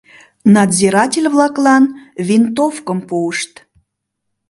Надзиратель-влаклан винтовкым пуышт.